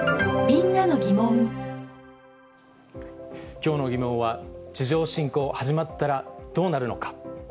きょうのギモンは、地上侵攻始まったらどうなるのか。